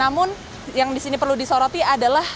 namun yang di sini perlu disoroti adalah